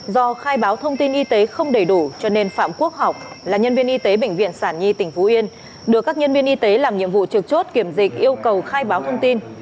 do khai báo thông tin y tế không đầy đủ cho nên phạm quốc học là nhân viên y tế bệnh viện sản nhi tỉnh phú yên được các nhân viên y tế làm nhiệm vụ trực chốt kiểm dịch yêu cầu khai báo thông tin